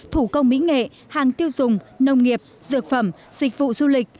thủ công mỹ nghệ hàng tiêu dùng nông nghiệp dược phẩm dịch vụ du lịch